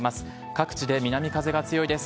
各地で南風が強いです。